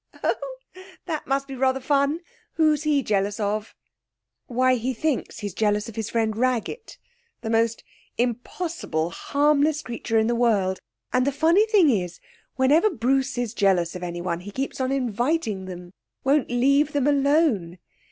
'Oh, that must be rather fun. Who is he jealous of?' 'Why, he thinks he's jealous of his friend Raggett the most impossible, harmless creature in the world; and the funny thing is whenever Bruce is jealous of anyone he keeps on inviting them won't leave them alone.